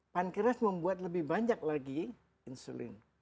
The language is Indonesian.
pankreas membuat lebih banyak lagi insulin